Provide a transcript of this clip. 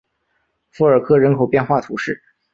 富尔克人口变化图示